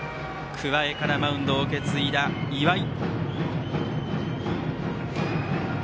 桑江からマウンドを受け継いだ岩井。